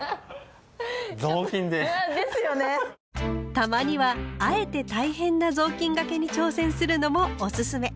たまにはあえて大変な雑巾がけに挑戦するのもおすすめ。